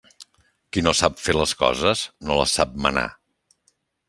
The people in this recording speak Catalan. Qui no sap fer les coses, no les sap manar.